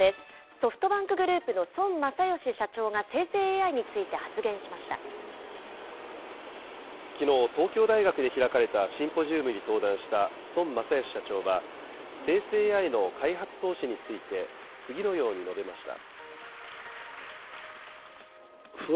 ソフトバンクグループの孫正義社長が生成ＡＩについて発言しましきのう、東京大学で開かれたシンポジウムに登壇した孫正義社長は、生成ＡＩの開発投資について次のように述べました。